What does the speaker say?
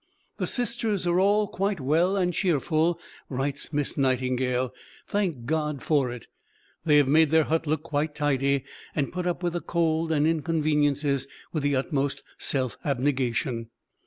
"The sisters are all quite well and cheerful," writes Miss Nightingale; "thank God for it! They have made their hut look quite tidy, and put up with the cold and inconveniences with the utmost self abnegation.